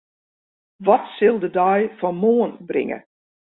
Wat sil de dei fan moarn bringe?